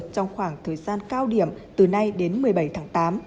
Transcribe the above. trong khoảng thời gian cao điểm từ nay đến một mươi bảy tháng tám